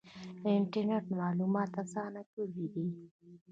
انټرنیټ معلومات اسانه کړي دي